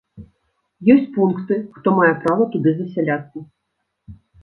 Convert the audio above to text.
Ёсць пункты, хто мае права туды засяляцца.